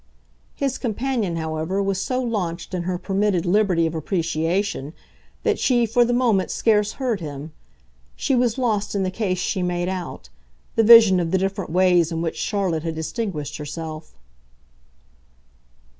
His companion, however, was so launched in her permitted liberty of appreciation that she for the moment scarce heard him. She was lost in the case she made out, the vision of the different ways in which Charlotte had distinguished herself.